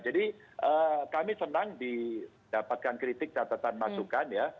jadi kami senang didapatkan kritik catatan masukan ya